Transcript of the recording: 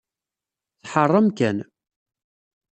Tḥeṛṛ amkan.